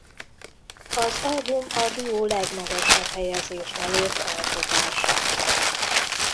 Az album a duó legmagasabb helyezést elért alkotása.